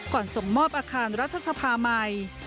ส่งมอบอาคารรัฐสภาใหม่